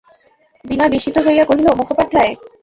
বিনয় বিস্মিত হইয়া কহিল, মুখোপাধ্যায়?